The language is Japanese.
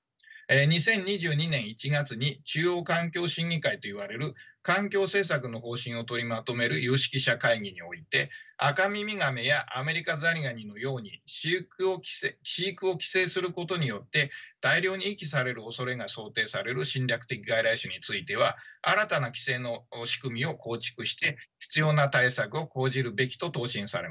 ２０２２年１月に中央環境審議会といわれる環境政策の方針を取りまとめる有識者会議においてアカミミガメやアメリカザリガニのように飼育を規制することによって大量に遺棄されるおそれが想定される侵略的外来種については新たな規制の仕組みを構築して必要な対策を講じるべきと答申されました。